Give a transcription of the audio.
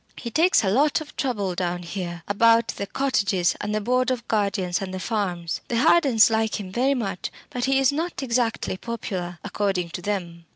"He takes a lot of trouble down here, about the cottages and the board of guardians and the farms. The Hardens like him very much, but he is not exactly popular, according to them.